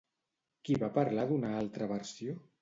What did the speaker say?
Qui va parlar d'una altra versió?